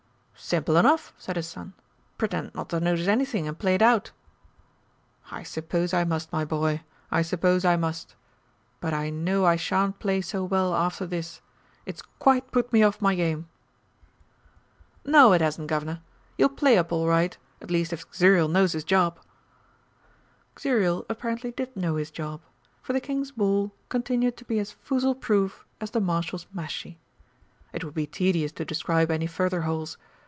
"Simple enough," said his son, "pretend not to notice anything and play it out." "I suppose I must, my boy, I suppose I must. But I know I shan't play so well after this it's quite put me off my game!" "No, it hasn't, Guv'nor. You'll play up all right, at least if Xuriel knows his job." Xuriel apparently did know his job, for the King's ball continued to be as foozle proof as the Marshal's mashie. It would be tedious to describe any further holes.